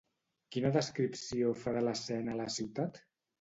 Quina descripció fa de l'escena a la ciutat?